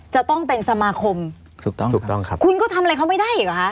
จะต้องเป็นสมาคมถูกต้องถูกต้องครับคุณก็ทำอะไรเขาไม่ได้อีกเหรอคะ